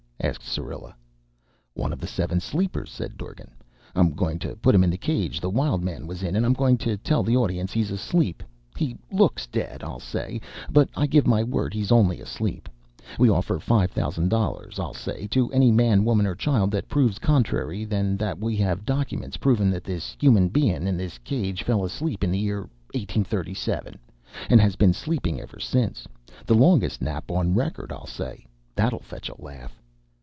asked Syrilla. "One of the Seven Sleepers," said Dorgan. "I'm goin' to put him in the cage the Wild Man was in, and I'm goin' to tell the audiences he's asleep. 'He looks dead,' I'll say, 'but I give my word he's only asleep. We offer five thousand dollars,' I'll say, 'to any man, woman, or child that proves contrary than that we have documents provin' that this human bein' in this cage fell asleep in the year 1837 and has been sleepin' ever since. The longest nap on record,' I'll say. That'll fetch a laugh."